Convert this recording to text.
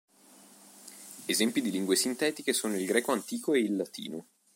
Esempi di lingue sintetiche sono il greco antico e il latino.